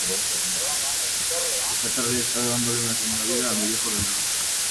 Esta tarde he estado dándole una segunda vida a mi viejo ordenador.